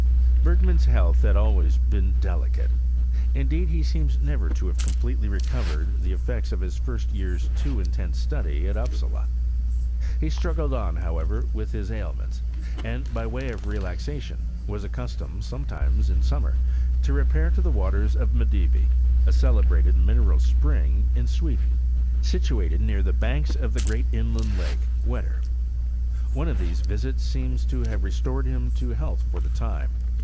Bergman's health had been always delicate ; in deed he seems never to have completely recovered the effects of his first year's too intense study at Upsala, He struggled on, however, with his ail ments ; and, by way of relaxation, was accustomed Hometimes, in summer, to repair to the waters of Medevi— a celebrated mineral spring in Sweden, situatednearthe banksofthegreat inland lake. Wetter. One of these visits seems to have restored him to health for the time.